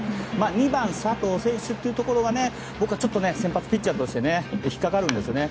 ２番、佐藤選手というところが僕はちょっと先発ピッチャーとして引っかかるんですよね。